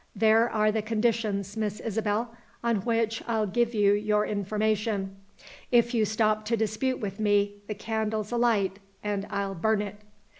There are the conditions, Miss Isabel, on which I'll give you your information. If you stop to dispute with me, the candle's alight, and I'll burn it!"